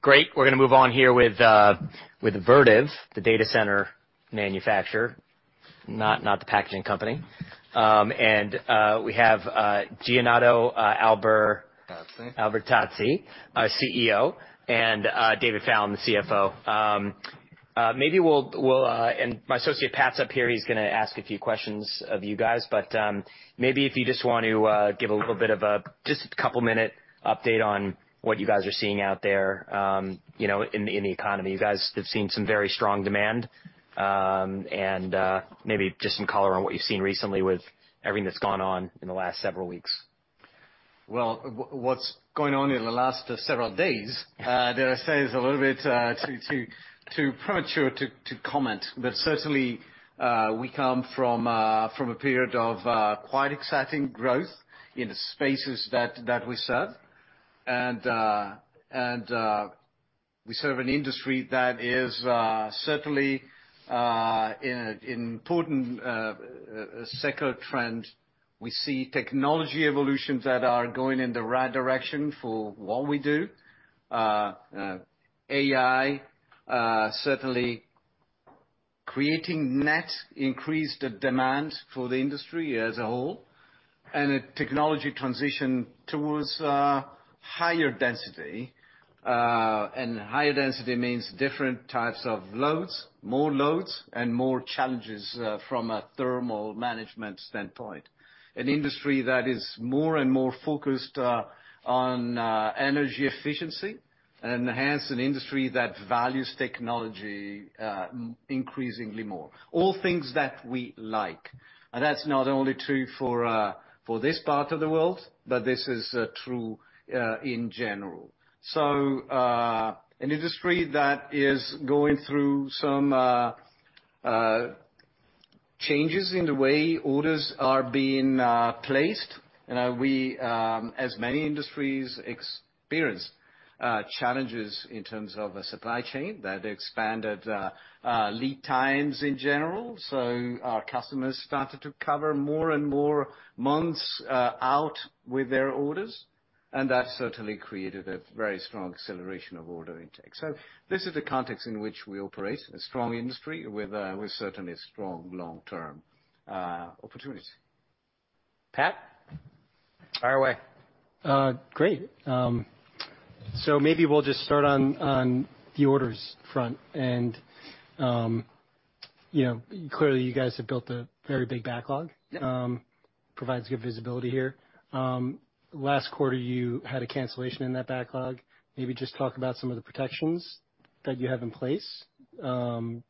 Great. We're gonna move on here with Vertiv, the data center manufacturer, not the packaging company. We have Giordano. Albertazzi. Albertazzi, CEO, and David Fallon, the CFO. Maybe we'll... My associate Pat's up here, he's gonna ask a few questions of you guys, but maybe if you just want to give a little bit of a just a couple minute update on what you guys are seeing out there, you know, in the economy. You guys have seen some very strong demand, and maybe just some color on what you've seen recently with everything that's gone on in the last several weeks. Well, what's going on in the last several days, dare I say, is a little bit too premature to comment. Certainly, we come from a period of quite exciting growth in the spaces that we serve. We serve an industry that is certainly in a important secular trend. We see technology evolutions that are going in the right direction for what we do. AI certainly creating net increased demand for the industry as a whole, and a technology transition towards higher density. Higher density means different types of loads, more loads, and more challenges from a thermal management standpoint. An industry that is more and more focused on energy efficiency, and hence an industry that values technology increasingly more. All things that we like. That's not only true for this part of the world, but this is true in general. An industry that is going through some changes in the way orders are being placed. You know, we, as many industries experience challenges in terms of a supply chain that expanded lead times in general. Our customers started to cover more and more months out with their orders, and that certainly created a very strong acceleration of order intake. This is the context in which we operate, a strong industry with certainly strong long-term opportunities. Pat, fire away. Great. Maybe we'll just start on the orders front. You know, clearly you guys have built a very big backlog. Yeah. Provides good visibility here. Last quarter, you had a cancellation in that backlog. Maybe just talk about some of the protections that you have in place,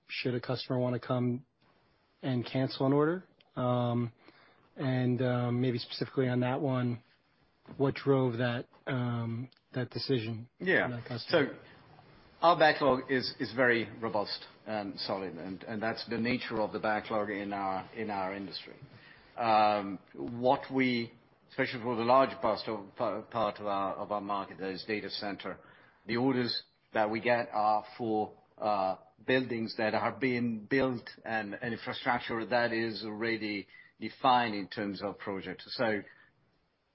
should a customer wanna come and cancel an order. Maybe specifically on that one, what drove that decision? Yeah. from that customer? Our backlog is very robust and solid, and that's the nature of the backlog in our industry. What we, especially for the large part of our market, that is data center, the orders that we get are for buildings that are being built and infrastructure that is already defined in terms of projects.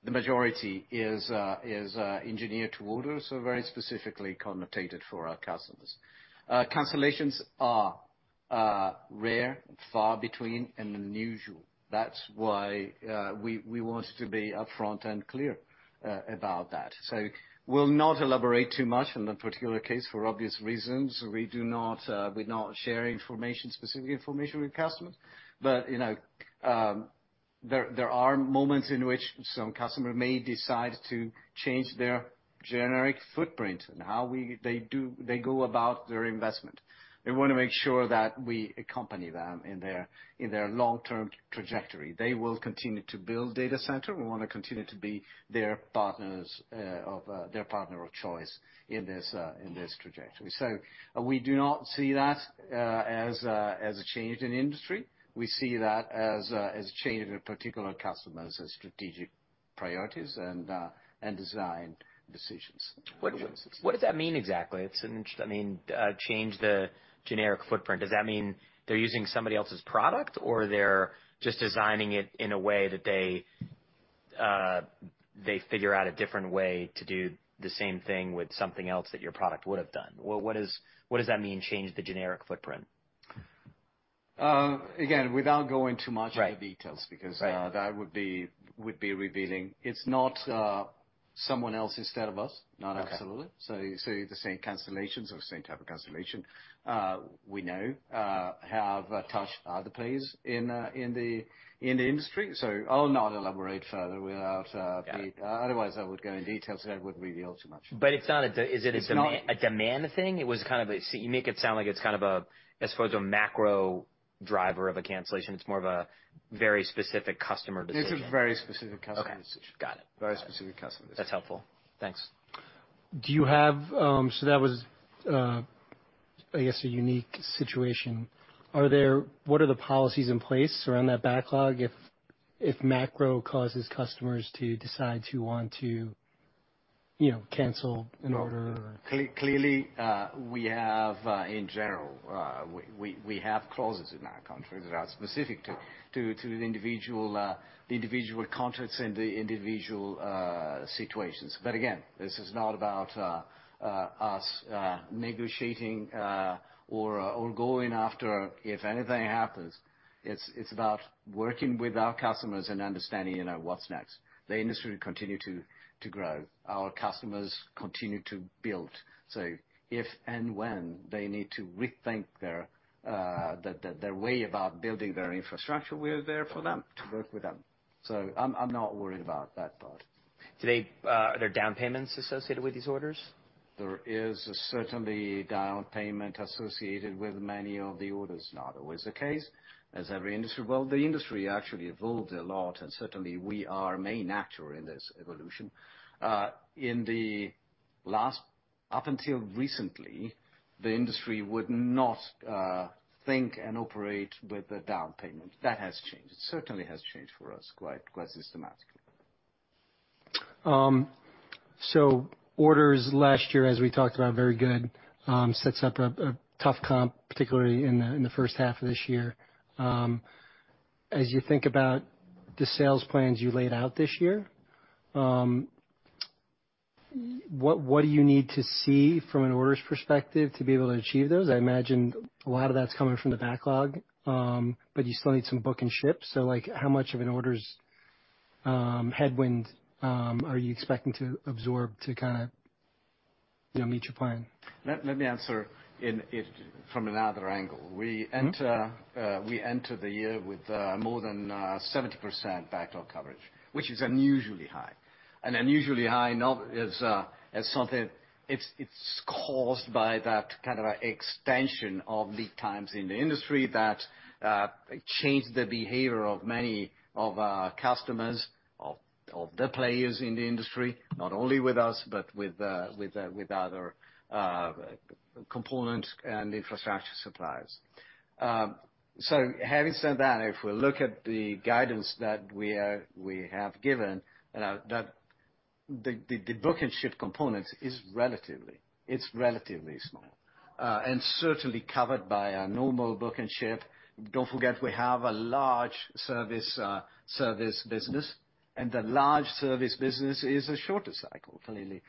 The majority is engineered to order, so very specifically connotated for our customers. Cancellations are rare, far between and unusual. That's why we wanted to be upfront and clear about that. We'll not elaborate too much on that particular case for obvious reasons. We do not share information, specific information with customers. You know, there are moments in which some customer may decide to change their generic footprint and how they do, they go about their investment. We wanna make sure that we accompany them in their, in their long-term trajectory. They will continue to build data center. We wanna continue to be their partners, of their partner of choice in this, in this trajectory. We do not see that as a change in industry. We see that as a change in a particular customer's strategic priorities and design decisions. What does that mean exactly? I mean, change the generic footprint. Does that mean they're using somebody else's product or they're just designing it in a way that they figure out a different way to do the same thing with something else that your product would have done? What does that mean, change the generic footprint? again, without going too much-. Right. into the details because Right. That would be revealing. It's not someone else instead of us. Okay. Not absolutely. The same cancellations or same type of cancellation, we know, have touched other players in the industry. I'll not elaborate further without. Yeah. Otherwise, I would go in details that would reveal too much. Is it a deman-? It's not- a demand thing? It was kind of a... You make it sound like it's kind of a, I suppose, a macro driver of a cancellation. It's more of a very specific customer decision. It's a very specific customer decision. Okay. Got it. Very specific customer decision. That's helpful. Thanks. Do you have... That was, I guess a unique situation. What are the policies in place around that backlog if macro causes customers to decide to want to You know, cancel an order or-? Clearly, we have in general, we have clauses in our contracts that are specific to the individual individual contracts and the individual situations. Again, this is not about us negotiating or going after if anything happens. It's about working with our customers and understanding, you know, what's next. The industry will continue to grow. Our customers continue to build. If and when they need to rethink their way about building their infrastructure, we're there for them to work with them. I'm not worried about that part. Are there down payments associated with these orders? There is certainly down payment associated with many of the orders. Not always the case. Well, the industry actually evolved a lot, and certainly we are a main actor in this evolution. Up until recently, the industry would not think and operate with a down payment. That has changed. It certainly has changed for us quite systematically. Orders last year, as we talked about, very good, sets up a tough comp, particularly in the first half of this year. As you think about the sales plans you laid out this year, what do you need to see from an orders perspective to be able to achieve those? I imagine a lot of that's coming from the backlog, but you still need some book and ship. Like, how much of an orders headwind are you expecting to absorb to kinda, you know, meet your plan? Let me answer it from another angle. Mm-hmm. We enter the year with more than 70% backlog coverage, which is unusually high. Unusually high now is something. It's caused by that kind of a extension of lead times in the industry that changed the behavior of many of our customers, of the players in the industry, not only with us, but with other components and infrastructure suppliers. Having said that, if we look at the guidance that we have given, that the book and ship component is relatively small and certainly covered by a normal book and ship. Don't forget we have a large service business, and the large service business is a shorter cycle, clearly.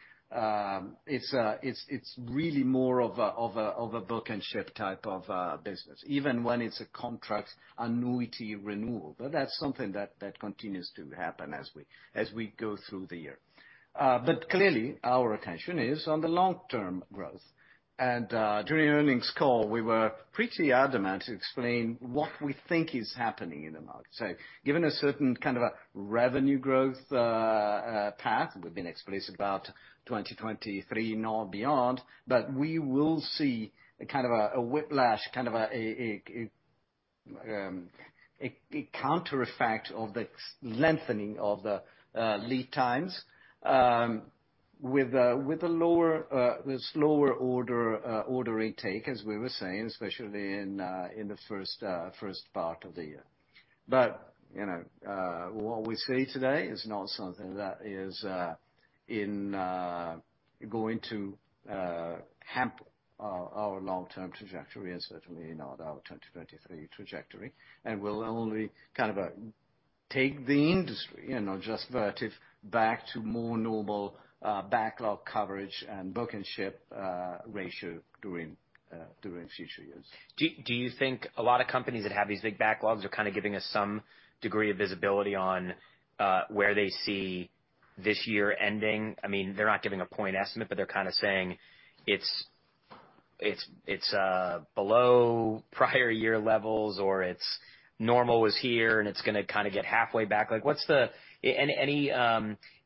It's really more of a book and ship type of business, even when it's a contract annuity renewal. But that's something that continues to happen as we go through the year. But clearly, our attention is on the long-term growth. During the earnings call, we were pretty adamant to explain what we think is happening in the market. So given a certain kind of a revenue growth path, we've been explicit about 2023 and all beyond, but we will see a kind of a whiplash, kind of a countereffect of the lengthening of the lead times, with a lower, slower order intake, as we were saying, especially in the first part of the year. You know, what we see today is not something that is in going to hamper our long-term trajectory, and certainly not our 2023 trajectory. Will only kind of, take the industry, you know, just relative back to more normal, backlog coverage and book and ship ratio during future years. Do you think a lot of companies that have these big backlogs are kinda giving us some degree of visibility on where they see this year ending? I mean, they're not giving a point estimate, but they're kinda saying it's below prior year levels or it's normal was here and it's gonna kinda get halfway back. Like, what's the... Any,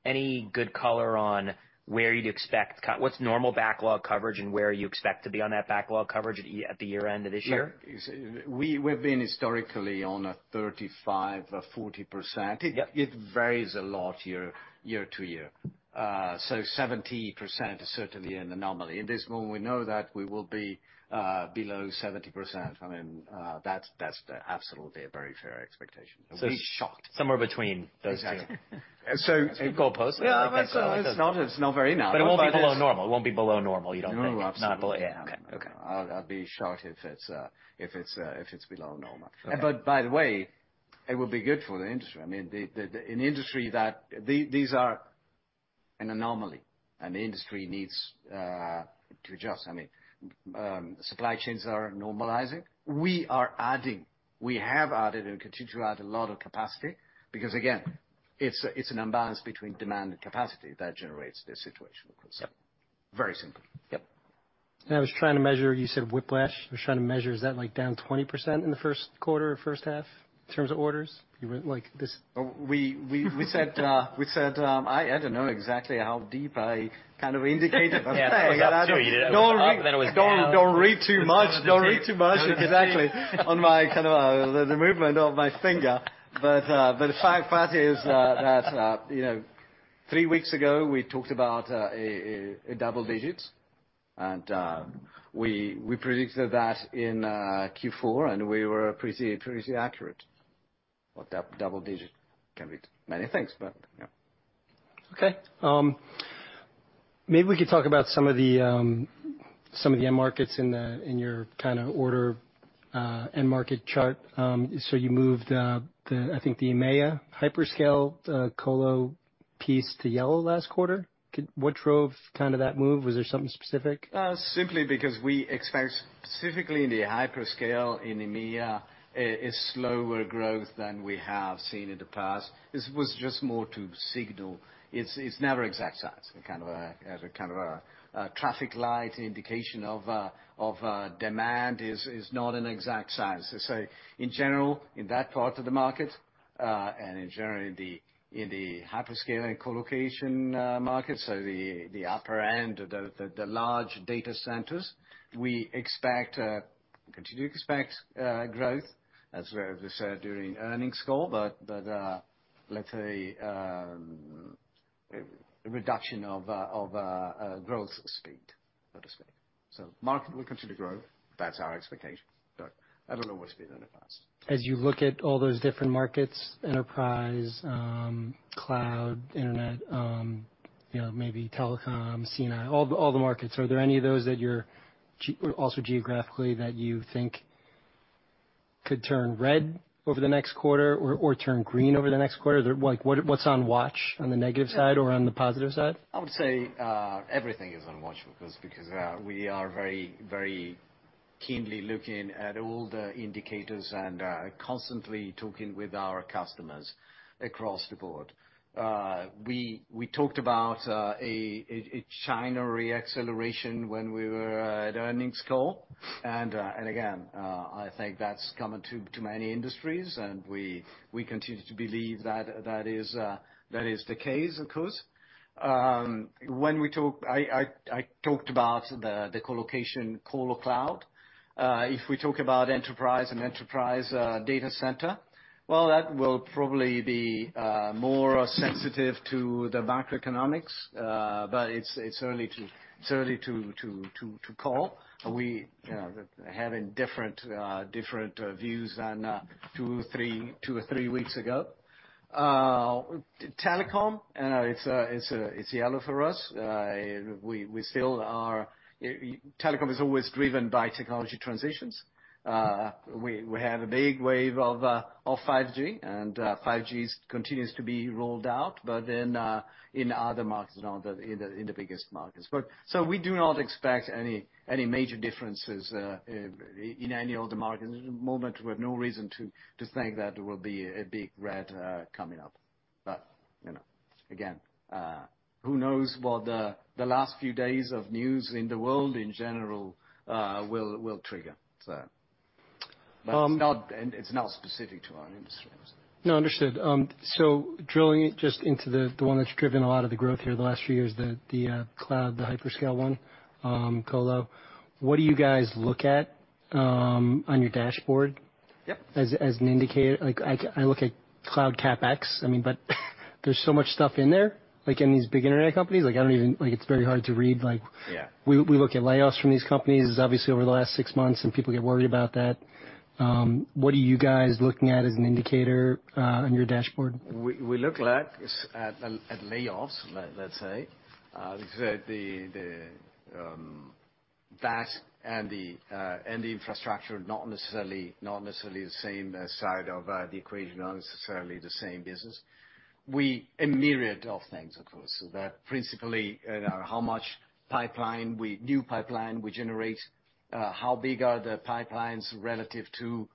any good color on where you'd expect what's normal backlog coverage and where you expect to be on that backlog coverage at the year-end of this year? Yeah. We've been historically on a 35, 40%. Yep. It varies a lot year to year. 70% is certainly an anomaly. In this moment, we know that we will be below 70%. I mean, that's absolutely a very fair expectation. We'll be shocked. Somewhere between those two. Exactly. So- It's good goalpost. Yeah. It's not, it's not very narrow, but it's. It won't be below normal. It won't be below normal, you don't think? No, absolutely. Not below. Yeah. Okay. Okay. I'll be shocked if it's below normal. Okay. By the way, it will be good for the industry. I mean, these are an anomaly, and the industry needs to adjust. I mean, supply chains are normalizing. We are adding, we have added and continue to add a lot of capacity because, again, it's an imbalance between demand and capacity that generates this situation. Yep. Very simply. Yep. I was trying to measure, you said whiplash. I was trying to measure, is that, like, down 20% in the first quarter or first half in terms of orders? You went like this. We said, we said, I don't know exactly how deep I kind of indicated. Yeah. It was up. You did it up, then it was down. Don't read, don't read too much. Don't read too much exactly on my kind of the movement of my finger. Fact is, that you know, three weeks ago, we talked about a double digits, and we predicted that in Q4, and we were pretty accurate. Double digit can be many things, but yeah. Maybe we could talk about some of the, some of the end markets in the, in your kind of order, end market chart. You moved, the, I think the EMEA hyperscale, colo piece to yellow last quarter. What drove kind of that move? Was there something specific? Simply because we expect specifically in the hyperscale in EMEA, a slower growth than we have seen in the past. This was just more to signal. It's never exact science and kind of a, as a kind of a traffic light indication of demand is not an exact science. Say in general, in that part of the market, and in general in the hyperscaler and colocation markets, so the upper end or the large data centers, we expect, continue to expect growth, as we said during earnings call. Let's say a reduction of a growth speed, so to say. Market will continue to grow. That's our expectation, but I don't know what's been in the past. As you look at all those different markets, enterprise, cloud, internet, you know, maybe telecom, CNI, all the markets, are there any of those that you're or also geographically, that you think could turn red over the next quarter or turn green over the next quarter? They're like, what's on watch on the negative side or on the positive side? I would say, everything is on watch because we are very keenly looking at all the indicators and constantly talking with our customers across the board. We talked about a China re-acceleration when we were at earnings call. Again, I think that's common to many industries. We continue to believe that is the case, of course. I talked about the colocation colo cloud. If we talk about enterprise data center, well, that will probably be more sensitive to the macroeconomics, but it's early to call. We, you know, having different views than two or three weeks ago. telecom, it's yellow for us. We still are, telecom is always driven by technology transitions. We had a big wave of 5G, and 5G continues to be rolled out, but then in other markets, not in the biggest markets. We do not expect any major differences in any of the markets at the moment. We have no reason to think that there will be a big red coming up. You know, again, who knows what the last few days of news in the world in general will trigger. Um- It's not, and it's not specific to our industry, I would say. No, understood. Drilling just into the one that's driven a lot of the growth here the last few years, the cloud, the hyperscale one, colo, what do you guys look at on your dashboard? Yep as an indicator? Like I look at cloud CapEx. I mean, there's so much stuff in there, like in these big internet companies. Like, I don't even. Like, it's very hard to read. Yeah. We look at layoffs from these companies obviously over the last six months. People get worried about that. What are you guys looking at as an indicator on your dashboard? We look at layoffs, let's say. That and the infrastructure, not necessarily the same side of the equation, not necessarily the same business. A myriad of things, of course. That principally in our how much new pipeline we generate, how big are the pipelines relative to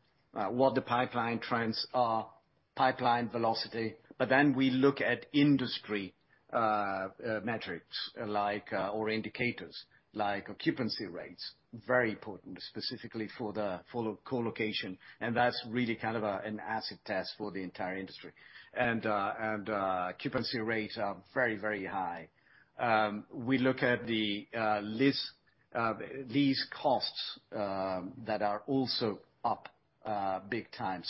what the pipeline trends are, pipeline velocity. We look at industry metrics like or indicators like occupancy rates, very important specifically for colocation, and that's really kind of an acid test for the entire industry. Occupancy rates are very high. We look at the lease costs that are also up big time.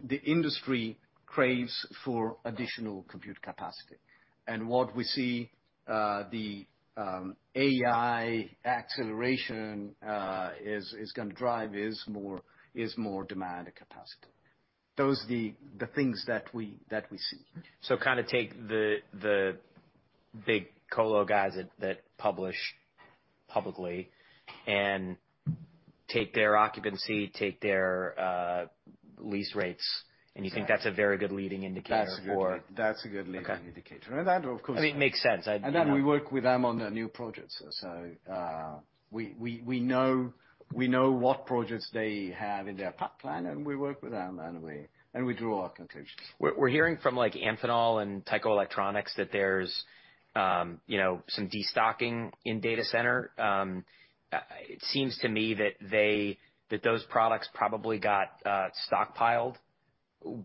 The industry craves for additional compute capacity. What we see, the AI acceleration is gonna drive is more demand and capacity. Those are the things that we see. kinda take the big colo guys that publish publicly and take their occupancy, take their lease rates. Exactly... you think that's a very good leading indicator. That's a good lead- Okay that's a good leading indicator. I mean, it makes sense. I, you know. We work with them on the new projects. We know what projects they have in their pipeline, and we work with them, and we draw our conclusions. We're hearing from like Amphenol and TE Connectivity that there's, you know, some destocking in data center. It seems to me that those products probably got stockpiled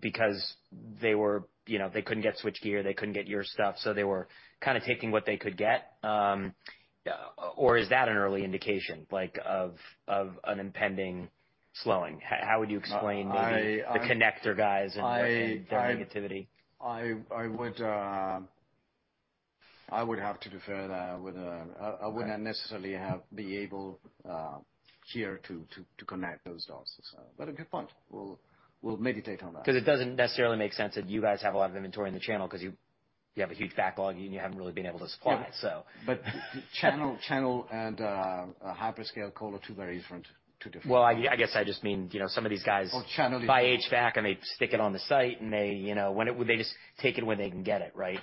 because they were, you know, they couldn't get switchgear, they couldn't get your stuff, so they were kinda taking what they could get. Or is that an early indication like, of an impending slowing? How would you explain the- I, I-... the connector guys and their negativity? I would have to defer that with, I wouldn't necessarily be able here to connect those dots. A good point. We'll meditate on that. It doesn't necessarily make sense that you guys have a lot of inventory in the channel 'cause you have a huge backlog, and you haven't really been able to supply it, so. Yeah. channel and a hyperscale call are two very different. Well, I guess I just mean, you know, some of these guys- Oh, channel. ...buy HVAC and they stick it on the site, and they, you know, they just take it when they can get it, right?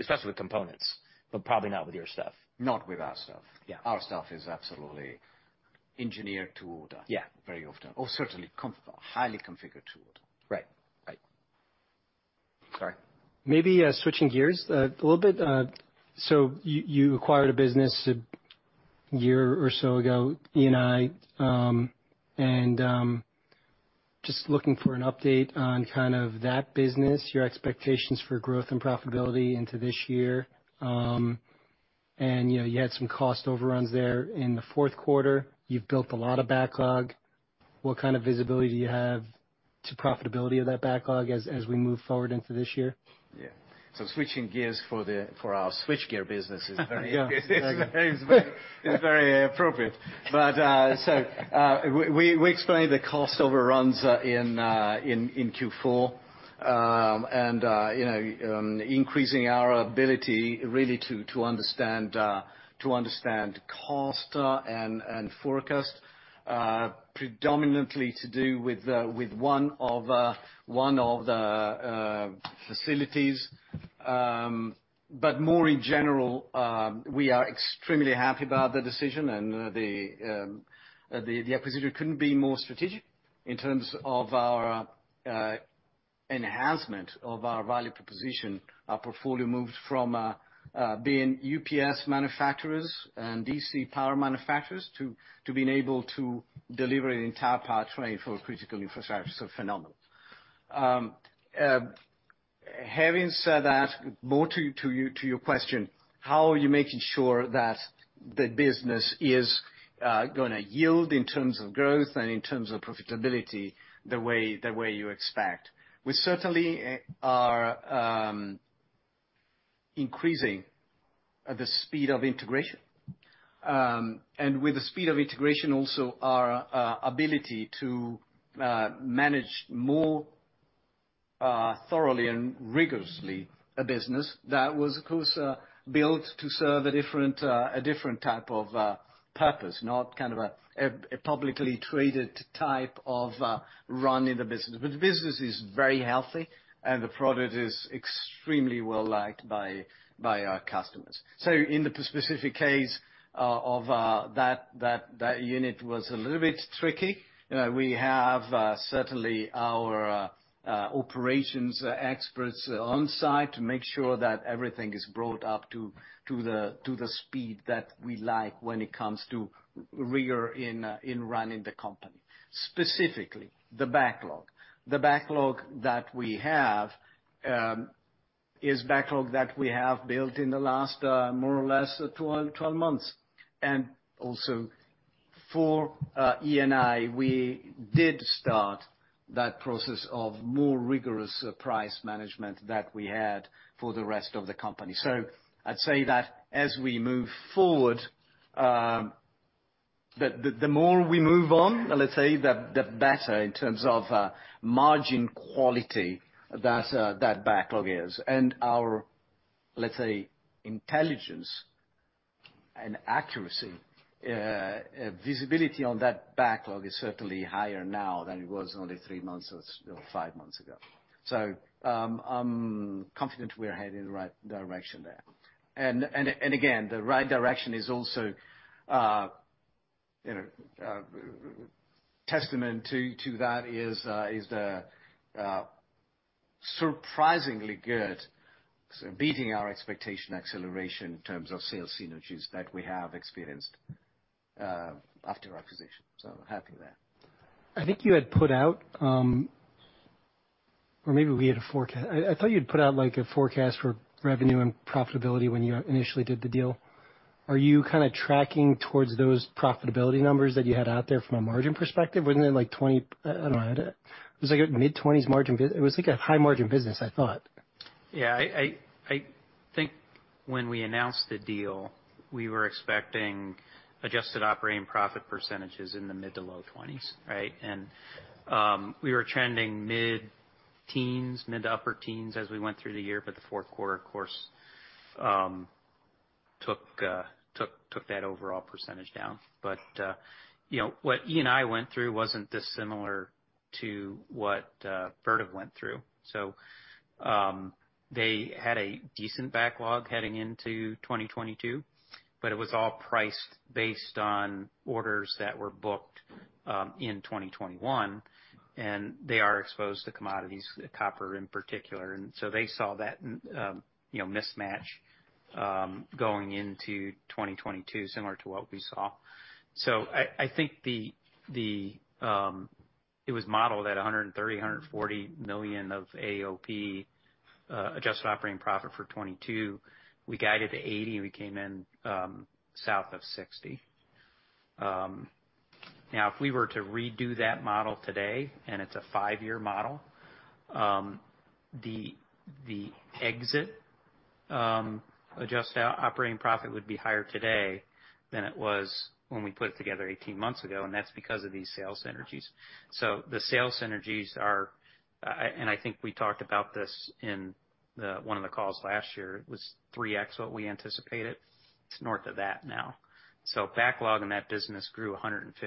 especially with components, but probably not with your stuff. Not with our stuff. Yeah. Our stuff is absolutely engineered to order. Yeah. Very often. Certainly highly configured to order. Right. Right. Sorry. Maybe, switching gears a little bit. You acquired a business a year or so ago, E&I, and, just looking for an update on kind of that business, your expectations for growth and profitability into this year. You know, you had some cost overruns there in the fourth quarter. You've built a lot of backlog. What kind of visibility do you have to profitability of that backlog as we move forward into this year? Yeah. switching gears for our switchgear business is very Yeah. Very good. propriate. We explained the cost overruns in Q4, increasing our ability really to understand cost and forecast, predominantly to do with one of the facilities. But more in general, we are extremely happy about the decision and the acquisition couldn't be more strategic in terms of our enhancement of our value proposition. Our portfolio moved from being UPS manufacturers and DC power manufacturers to being able to deliver an entire powertrain for critical infrastructure. So phenomenal Having said that, more to your question, how are you making sure that the business is gonna yield in terms of growth and in terms of profitability the way, the way you expect. We certainly are increasing the speed of integration. And with the speed of integration also our ability to manage more thoroughly and rigorously a business that was, of course, built to serve a different, a different type of purpose, not kind of a publicly traded type of run in the business. The business is very healthy, and the product is extremely well-liked by our customers. In the specific case of that unit was a little bit tricky. You know, we have, certainly our, operations experts on site to make sure that everything is brought up to the speed that we like when it comes to rigor in running the company, specifically the backlog. The backlog that we have is backlog that we have built in the last, more or less 12 months. Also for E&I, we did start that process of more rigorous price management that we had for the rest of the company. I'd say that as we move forward, the more we move on, let's say, the better in terms of margin quality that backlog is. Our, let's say, intelligence and accuracy, visibility on that backlog is certainly higher now than it was only three months or five months ago. I'm confident we're headed in the right direction there. Again, the right direction is also, you know, testament to that is the surprisingly good, sort of beating our expectation acceleration in terms of sales synergies that we have experienced after acquisition. Happy there. I think you had put out, or maybe we had a forecast. I thought you'd put out like a forecast for revenue and profitability when you initially did the deal. Are you kind of tracking towards those profitability numbers that you had out there from a margin perspective? Wasn't it like 20... I don't know. It was like a mid-20s margin. It was like a high margin business, I thought. I think when we announced the deal, we were expecting adjusted operating profit percentages in the mid to low 20s, right? We were trending mid-teens, mid to upper teens as we went through the year, the fourth quarter, of course, took that overall percentage down. You know, what E&I went through wasn't dissimilar to what Vertiv went through. They had a decent backlog heading into 2022, but it was all priced based on orders that were booked in 2021, and they are exposed to commodities, copper in particular. They saw that, you know, mismatch, going into 2022, similar to what we saw. I think it was modeled at $130 million-$140 million of AOP, adjusted operating profit for 2022. We guided to $80 million, and we came in south of $60 million. Now if we were to redo that model today, and it's a five-year model, the exit adjusted operating profit would be higher today than it was when we put it together 18 months ago, and that's because of these sales synergies. The sales synergies are, and I think we talked about this in one of the calls last year, it was 3x what we anticipated. It's north of that now. Backlog in that business grew 150%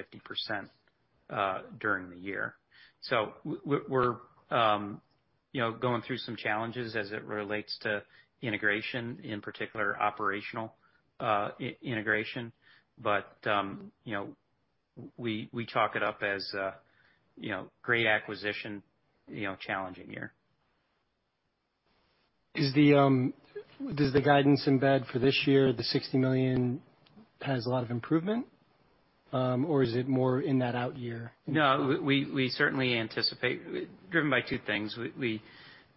during the year. We're, you know, going through some challenges as it relates to integration, in particular operational, integration. You know, we chalk it up as a, you know, great acquisition, you know, challenging year. Is the, does the guidance embed for this year, the $60 million has a lot of improvement, or is it more in that out year? We certainly anticipate. Driven by two things. We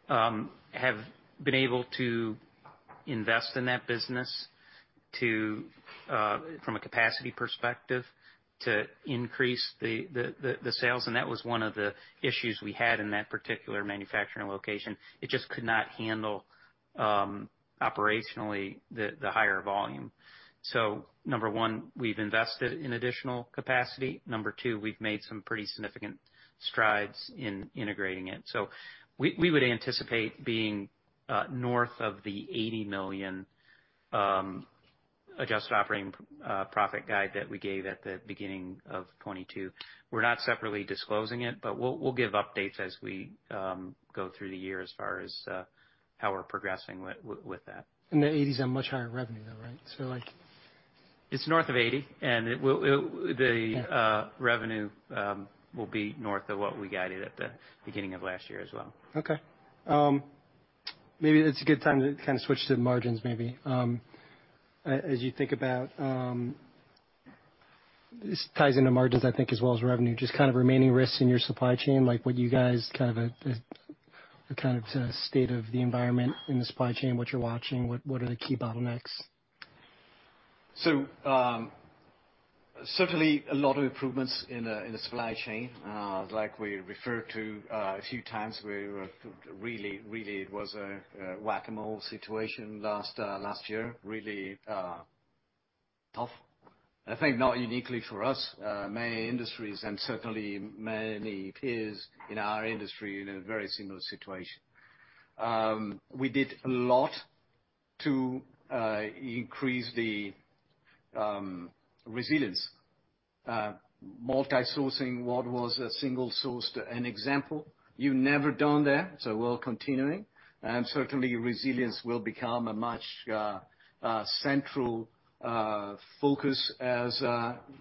have been able to invest in that business to from a capacity perspective, to increase the sales, and that was one of the issues we had in that particular manufacturing location. It just could not handle operationally the higher volume. Number one, we've invested in additional capacity. Number two, we've made some pretty significant strides in integrating it. We would anticipate being north of the $80 million Adjusted Operating Profit guide that we gave at the beginning of 2022. We're not separately disclosing it, but we'll give updates as we go through the year as far as how we're progressing with that. The 80s have much higher revenue, though, right? It's north of 80, and the revenue will be north of what we guided at the beginning of last year as well. Okay. Maybe it's a good time to kind of switch to the margins maybe. As you think about, this ties into margins, I think, as well as revenue, just kind of remaining risks in your supply chain, like what you guys kind of the state of the environment in the supply chain, what you're watching, what are the key bottlenecks? Certainly a lot of improvements in the supply chain. Like we referred to a few times, we were really it was a whack-a-mole situation last year. Really tough. I think not uniquely for us, many industries and certainly many peers in our industry in a very similar situation. We did a lot to increase the resilience, multi-sourcing what was a single source to an example. You've never done that, we're continuing. Certainly, resilience will become a much central focus as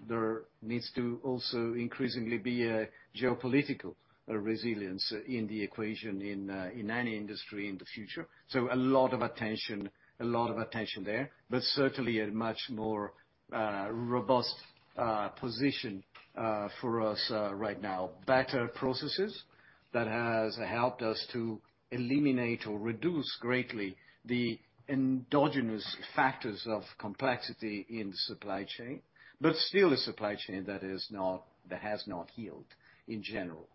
there needs to also increasingly be a geopolitical resilience in the equation in any industry in the future. A lot of attention, a lot of attention there, but certainly a much more robust position for us right now. Better processes that has helped us to eliminate or reduce greatly the endogenous factors of complexity in the supply chain, still a supply chain that has not healed in general.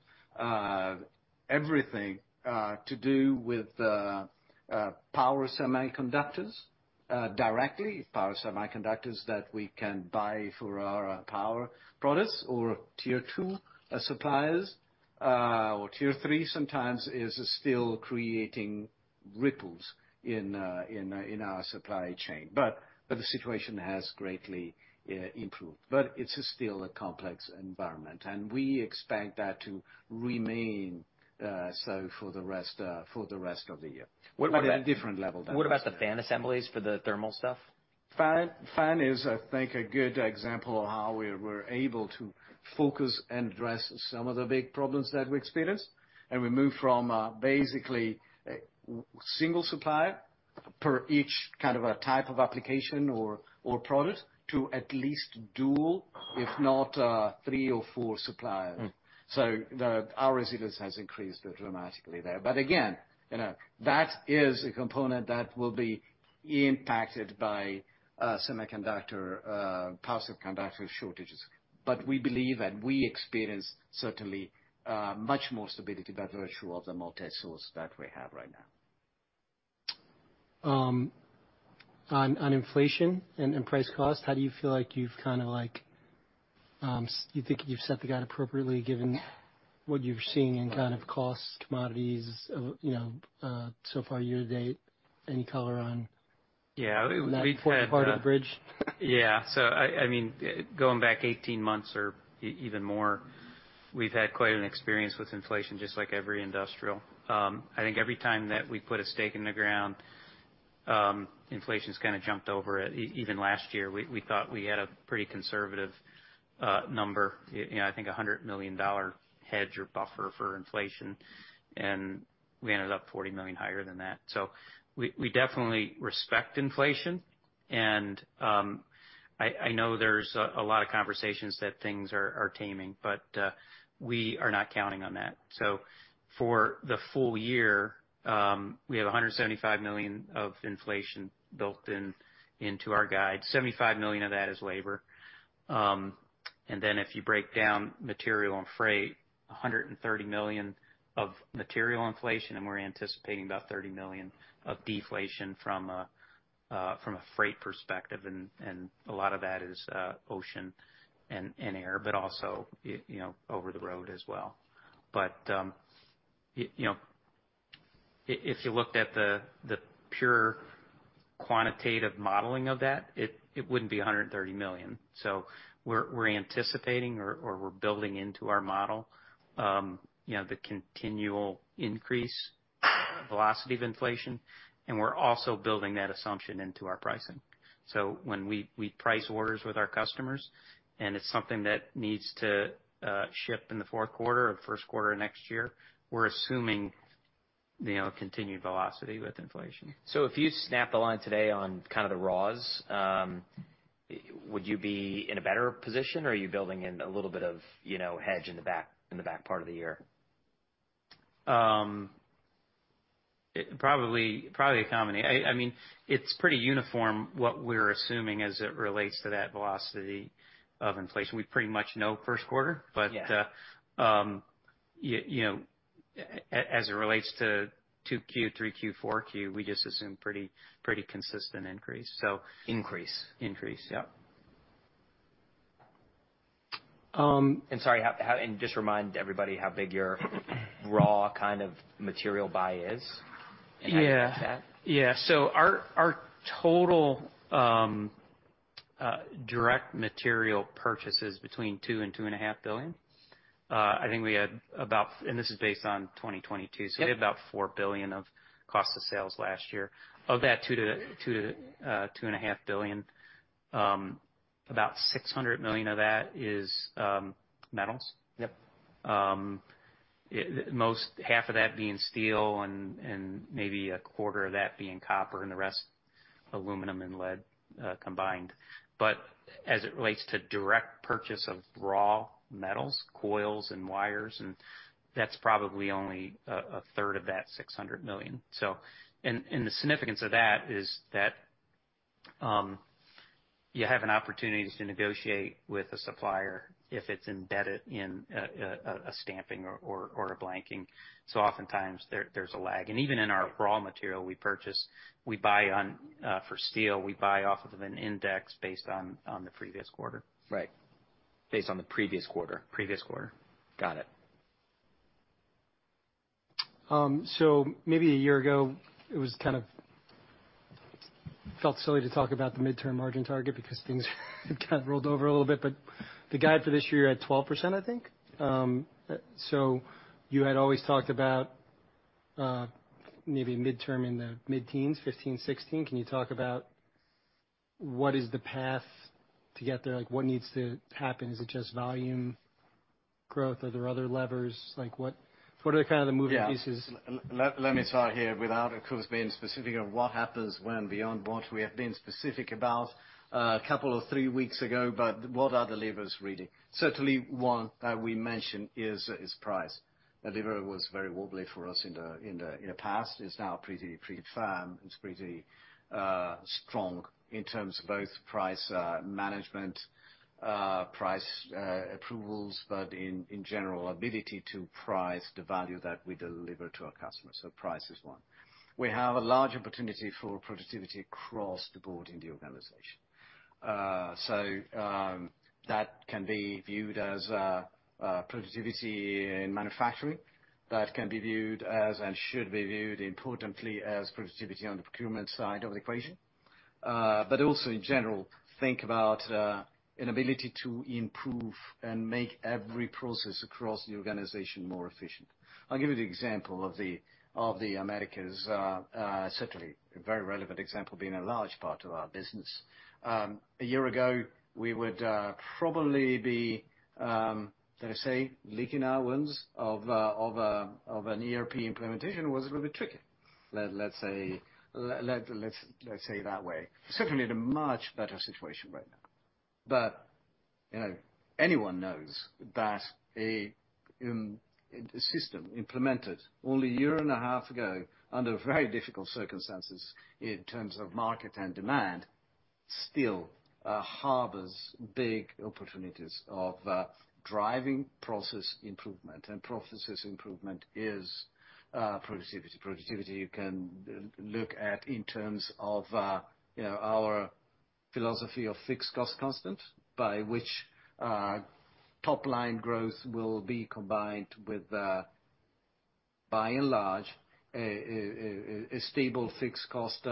Everything to do with power semiconductors, directly, power semiconductors that we can buy for our power products or tier two suppliers, or tier three sometimes is still creating ripples in our supply chain. The situation has greatly improved. It's still a complex environment, and we expect that to remain so for the rest of the year. At a different level than it was. What about the fan assemblies for the thermal stuff? Fan is, I think, a good example of how we were able to focus and address some of the big problems that we experienced. We moved from, basically a single supplier per each kind of a type of application or product to at least dual, if not, 3 or 4 suppliers. Mm-hmm. Our resilience has increased dramatically there. Again, you know, that is a component that will be impacted by semiconductor, power semiconductor shortages. We believe and we experience certainly, much more stability by virtue of the multi-source that we have right now. On inflation and price cost, how do you feel like you've kinda like, do you think you've set the guide appropriately given what you're seeing in kind of cost, commodities, you know, so far year to date? Any color on? Yeah. We've had.... that part of the bridge? I mean, going back 18 months or even more, we've had quite an experience with inflation, just like every industrial. I think every time that we put a stake in the ground, inflation's kinda jumped over it. Even last year, we thought we had a pretty conservative number, you know, I think a $100 million hedge or buffer for inflation, and we ended up $40 million higher than that. We definitely respect inflation. I know there's a lot of conversations that things are taming, but we are not counting on that. For the full year, we have $175 million of inflation built into our guide. $75 million of that is labor. If you break down material and freight, $130 million of material inflation, and we're anticipating about $30 million of deflation from a freight perspective, and a lot of that is ocean and air, but also you know, over the road as well. You know, if you looked at the pure quantitative modeling of that, it wouldn't be $130 million. We're anticipating or we're building into our model, you know, the continual increase velocity of inflation, and we're also building that assumption into our pricing. When we price orders with our customers, and it's something that needs to ship in the fourth quarter or first quarter of next year, we're assuming, you know, continued velocity with inflation. If you snap a line today on kind of the raws, would you be in a better position, or are you building in a little bit of, you know, hedge in the back, in the back part of the year? probably a combination. I mean, it's pretty uniform, what we're assuming as it relates to that velocity of inflation. We pretty much know first quarter. Yeah. You know, as it relates to 2Q, 3Q, 4Q, we just assume pretty consistent increase, so. Increase. Increase. Yep. Sorry, just remind everybody how big your raw kind of material buy is? Yeah. Can I get that? Yeah. Our total direct material purchase is between $2 billion and $2.5 billion. I think we had about... This is based on 2022. Yeah. We had about $4 billion of cost of sales last year. Of that $2 billion-$2.5 billion, about $600 million of that is metals. Yep. Half of that being steel and maybe a quarter of that being copper and the rest aluminum and lead combined. As it relates to direct purchase of raw metals, coils and wires, that's probably only a third of that $600 million. And the significance of that is that you have an opportunity to negotiate with a supplier if it's embedded in a stamping or a blanking. Oftentimes there's a lag. Even in our raw material we purchase, we buy on for steel, we buy off of an index based on the previous quarter. Right. Based on the previous quarter. Previous quarter. Got it. Maybe a year ago, it was kind of felt silly to talk about the midterm margin target because things had kind of rolled over a little bit. The guide for this year, you're at 12%, I think. You had always talked about, maybe midterm in the mid-teens, 15, 16. Can you talk about what is the path to get there? Like, what needs to happen? Is it just volume growth? Are there other levers? Like what are kind of the moving pieces? Yeah. Let me start here without, of course, being specific on what happens when beyond what we have been specific about a couple or three weeks ago, but what are the levers really? Certainly one that we mentioned is price. The lever was very wobbly for us in the past. It's now pretty firm. It's pretty strong in terms of both price management, price approvals, but in general, ability to price the value that we deliver to our customers. Price is one. We have a large opportunity for productivity across the board in the organization. That can be viewed as productivity in manufacturing. That can be viewed as, and should be viewed importantly as productivity on the procurement side of the equation. Also in general, think about an ability to improve and make every process across the organization more efficient. I'll give you the example of the, of the Americas, certainly a very relevant example being a large part of our business. A year ago, we would probably be, let us say, licking our wounds of an ERP implementation was a little bit tricky. Let's say it that way. Certainly in a much better situation right now. You know, anyone knows that a system implemented only a year and a half ago under very difficult circumstances in terms of market and demand, still harbors big opportunities of driving process improvement. Processes improvement is productivity. Productivity you can look at in terms of, you know, our philosophy of fixed cost constant by which top line growth will be combined with by and large, a stable fixed cost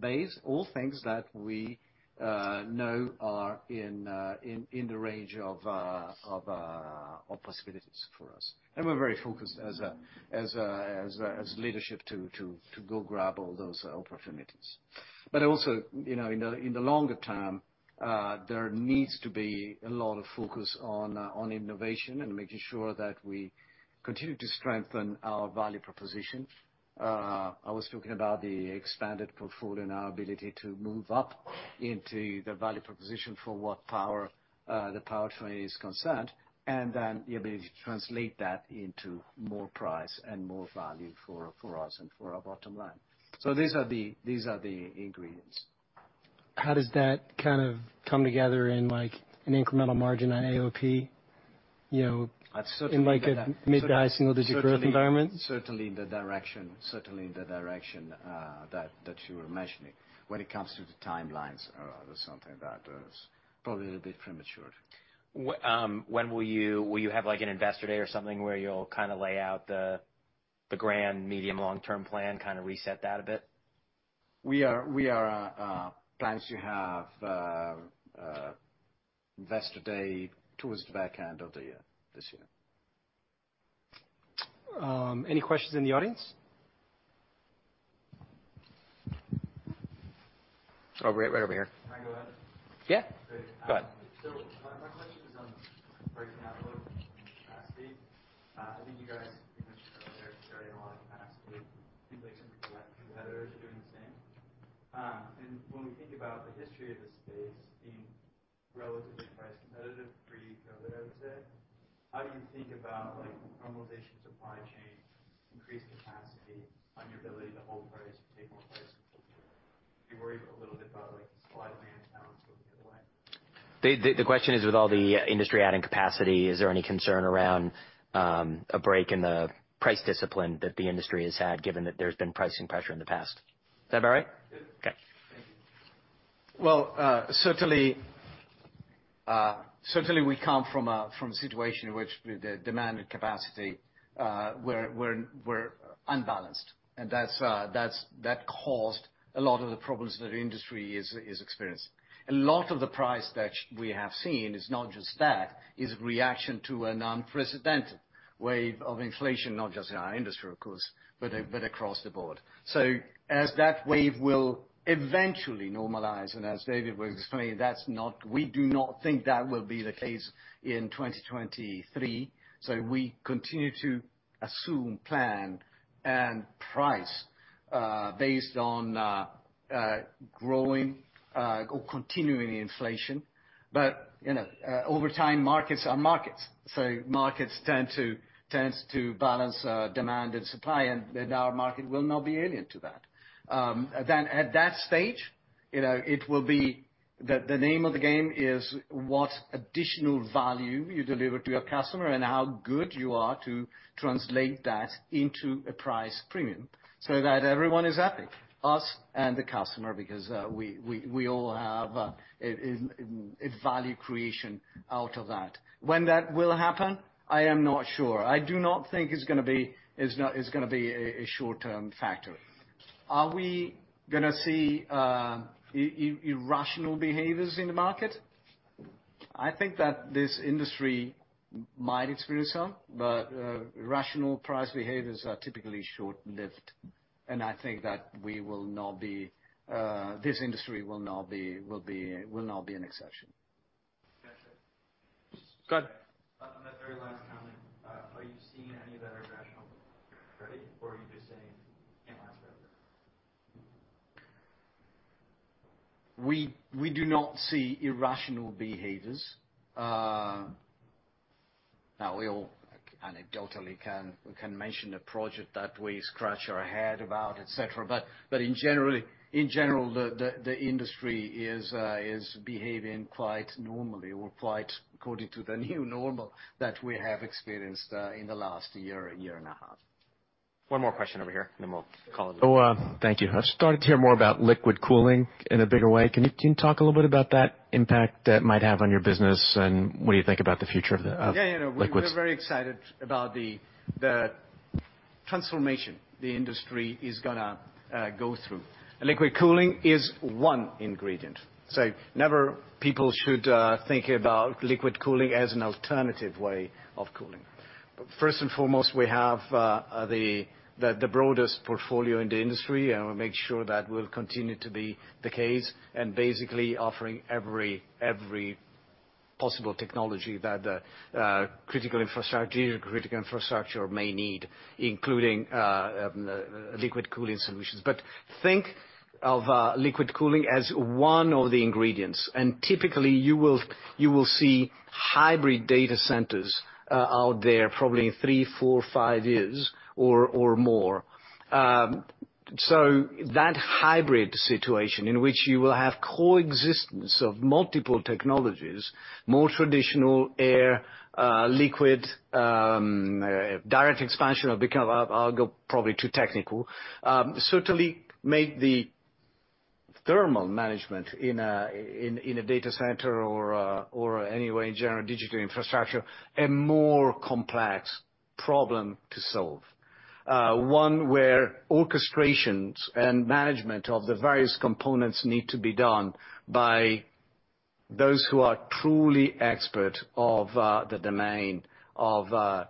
base, all things that we know are in the range of possibilities for us. We're very focused as leadership to go grab all those opportunities. Also, you know, in the longer term, there needs to be a lot of focus on innovation and making sure that we continue to strengthen our value proposition. I was talking about the expanded portfolio and our ability to move up into the value proposition for what power, the powertrain is concerned, and then the ability to translate that into more price and more value for us and for our bottom line. These are the ingredients. How does that kind of come together in like an incremental margin on AOP? You know- I've certainly- In like a mid to high single-digit growth environment. Certainly the direction that you were mentioning. When it comes to the timelines or something like that, it's probably a bit premature. When will you have like an investor day or something where you'll kind of lay out the grand medium, long-term plan, kind of reset that a bit? We are plan to have investor day towards the back end of the year, this year. Any questions in the audience? Right, right over here. Can I go ahead? Yeah. Go ahead. My question is on breaking out load capacity. I think you guys mentioned earlier carrying a lot of capacity, seems like some competitors are doing the same. When we think about the history of the space being relatively price competitive pre-COVID, I would say, how do you think about like normalization of supply chain, increased capacity on your ability to hold price, take more price? Are you worried a little bit about like a slight land balance going the other way? The question is, with all the industry adding capacity, is there any concern around a break in the price discipline that the industry has had, given that there's been pricing pressure in the past? Is that about right? Yes. Okay. Well, certainly we come from a situation in which the demand and capacity were unbalanced. That caused a lot of the problems that the industry is experiencing. A lot of the price that we have seen is not just that, is a reaction to an unprecedented wave of inflation, not just in our industry, of course, but across the board. As that wave will eventually normalize, and as David was explaining, we do not think that will be the case in 2023. We continue to assume plan and price, based on, growing, or continuing inflation. You know, over time, markets are markets. Markets tends to balance, demand and supply, and our market will not be alien to that. At that stage, you know, it will be the name of the game is what additional value you deliver to your customer and how good you are to translate that into a price premium so that everyone is happy, us and the customer, because we all have a value creation out of that. When that will happen, I am not sure. I do not think it's gonna be a short-term factor. Are we gonna see irrational behaviors in the market? I think that this industry might experience some, rational price behaviors are typically short-lived, I think that this industry will not be an exception. Gotcha. Go ahead. On that very last comment, are you seeing any of that irrational already or are you just saying it can't last forever? We do not see irrational behaviors. Now, we all anecdotally can mention a project that we scratch our head about, et cetera. In general, the industry is behaving quite normally or quite according to the new normal that we have experienced in the last year and a half. One more question over here, and then we'll call it. Thank you. I'm starting to hear more about liquid cooling in a bigger way. Can you talk a little bit about that impact that might have on your business, and what do you think about the future of liquids? Yeah, you know, we're very excited about the transformation the industry is gonna go through. Liquid cooling is one ingredient. Never people should think about Liquid cooling as an alternative way of cooling. First and foremost, we have the broadest portfolio in the industry, and we make sure that will continue to be the case, and basically offering every possible technology that critical infrastructure may need, including Liquid cooling solutions. But think of Liquid cooling as one of the ingredients. Typically, you will see hybrid data centers out there probably in 3, 4, 5 years or more. That hybrid situation in which you will have coexistence of multiple technologies, more traditional air, Liquid, Direct Expansion will become... I'll go probably too technical. Certainly make the thermal management in a data center or any way in general digital infrastructure, a more complex problem to solve. One where orchestrations and management of the various components need to be done by those who are truly expert of the domain of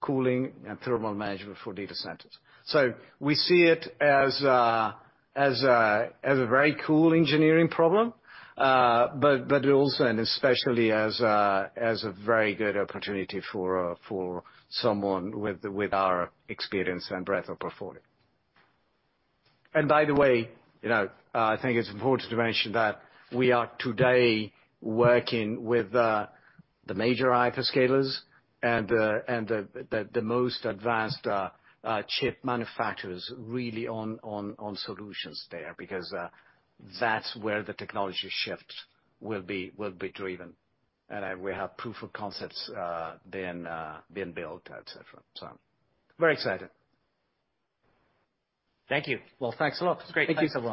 cooling and thermal management for data centers. We see it as a very cool engineering problem, but also, and especially as a very good opportunity for someone with our experience and breadth of portfolio. By the way, you know, I think it's important to mention that we are today working with the major hyperscalers and the most advanced chip manufacturers really on solutions there, because that's where the technology shift will be driven. We have proof of concepts being built, et cetera. Very excited. Thank you. Well, thanks a lot. It's great. Thank you so much.